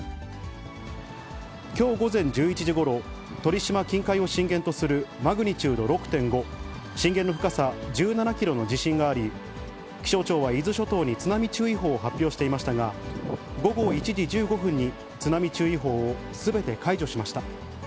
きょう午前１１時ごろ、鳥島近海を震源とするマグニチュード６．５、震源の深さ１７キロの地震があり、気象庁は伊豆諸島に津波注意報を発表していましたが、午後１時１５分に津波注意報をすべて解除しました。